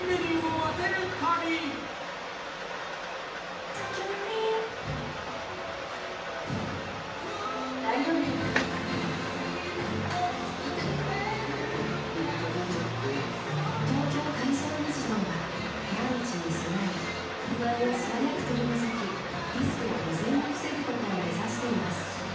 指たたいちゃって・・・「東京海上日動」は万一に備え不安を素早く取り除きリスクを未然に防ぐことを目指しています